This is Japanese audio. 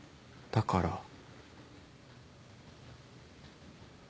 だから。